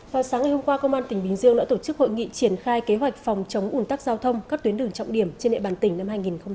vào sáng ngày hôm qua công an tỉnh bình dương đã tổ chức hội nghị triển khai kế hoạch phòng chống ủn tắc giao thông các tuyến đường trọng điểm trên địa bàn tỉnh năm hai nghìn hai mươi